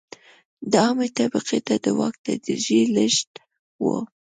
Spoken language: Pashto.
د عامې طبقې ته د واک تدریجي لېږد و.